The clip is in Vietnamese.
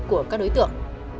của các đối tượng